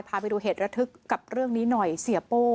พาไปดูเหตุระทึกกับเรื่องนี้หน่อยเสียโป้